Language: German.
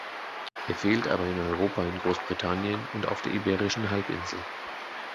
Er fehlt aber in Europa in Großbritannien und auf der Iberischen Halbinsel.